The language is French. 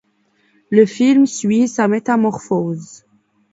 Le film suit sa métamorphose.